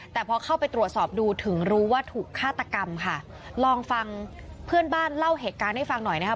แต่พอเข้าไปตรวจสอบดูถึงรู้ว่าถูกฆาตกรรมค่ะลองฟังเพื่อนบ้านเล่าเหตุการณ์ให้ฟังหน่อยนะครับ